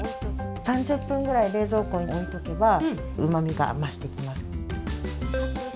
３０分ぐらい冷蔵庫に置いとけば、うまみが増してきます。